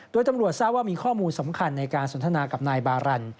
โดยตำรวจทราบว่ามีข้อมูลสำคัญในการสนทนากับนายบารัน